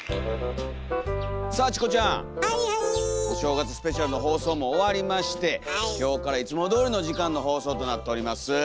お正月スペシャルの放送も終わりまして今日からいつもどおりの時間の放送となっております。